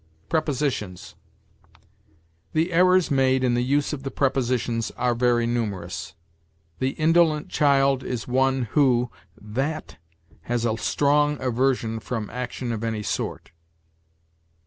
PREPOSITIONS. The errors made in the use of the prepositions are very numerous. "The indolent child is one who [that?] has a strong aversion from action of any sort."